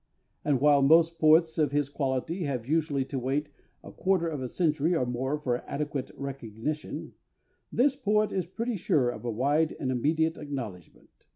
And while most poets of his quality have usually to wait a quarter of a century or more for adequate recognition, this poet is pretty sure of a wide and immediate acknowledgement....